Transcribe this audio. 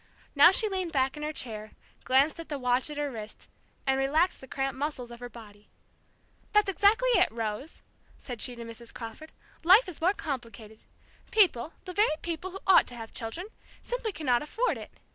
Now she leaned back in her chair, glanced at the watch at her wrist, and relaxed the cramped muscles of her body. "That's exactly it, Rose," said she to Mrs. Crawford. "Life is more complicated. People the very people who ought to have children simply cannot afford it!